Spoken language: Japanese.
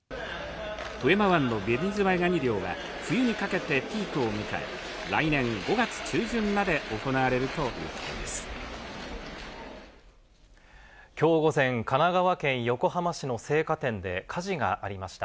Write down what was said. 富山湾のベニズワイガニ漁は冬にかけてピークを迎え、来年５月中旬まで行われるということできょう午前、神奈川県横浜市の青果店で火事がありました。